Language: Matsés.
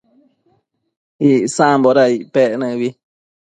Icsamboda icpec nëbi?